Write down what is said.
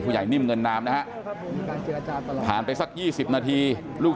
ผู้ใหญ่นิ่มเงินน้ำนะฮะผ่านไปสักยี่สิบนาทีลูก